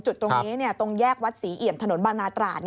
จุดตรงนี้ตรงแยกวัดศรีเอี่ยมถนนบางนาตราด